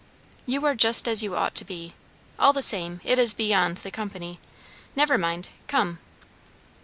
"You are just as you ought to be. All the same, it is beyond the company. Never mind. Come!"